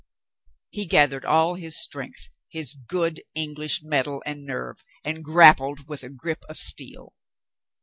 He gathered all his strength, his good English mettle and nerve, and grappled with a grip of steel.